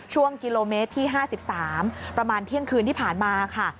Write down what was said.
ช่วงกิโลเมตรที่๕๓ประมาณเที่ยงคืนที่ผ่านมาค่ะ